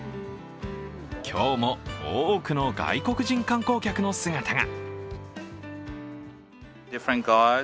今日も多くの外国人観光客の姿が。